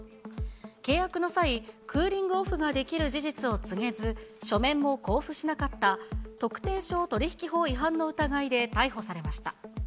契約の際、クーリングオフができる事実を告げず、書面も交付しなかった特定商取引法違反の疑いで逮捕されました。